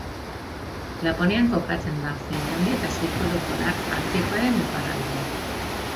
Laponian kokatzen da, Finlandia eta Zirkulu Polar Artikoaren iparraldean.